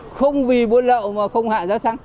không vì buôn lậu mà không hạ giá xăng